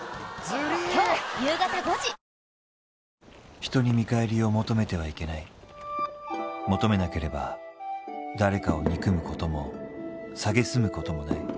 人に見返りを求めてはいけない求めなければ誰かを憎むこともさげすむこともない